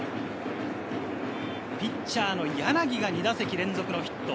ピッチャーの柳が２打席連続のヒット。